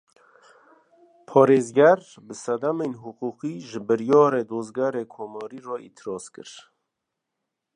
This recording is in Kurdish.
Parêzger, bi sedemên hiqûqî, ji biryara Dozgerê Komarî re îtiraz kir